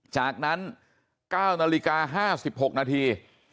จากนั้น๙นาฬิกา๕๖นาที